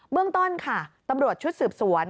เรื่องต้นค่ะตำรวจชุดสืบสวน